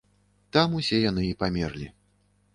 Там усе яны і памерлі.